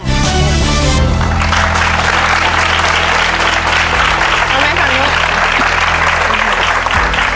ขอบคุณผู้ช่วยด้วยครับ